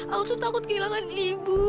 aku tuh takut kehilangan ibu